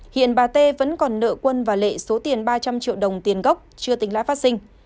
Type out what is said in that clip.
hiện bà t vẫn còn nợ quân và lệ số tiền ba trăm linh triệu đồng tiền gốc chưa tính lãi phát sinh